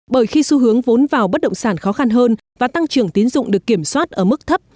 bởi khi xu hướng vốn vào bất động sản khó khăn hơn và tăng trưởng tín dụng được kiểm soát ở mức thấp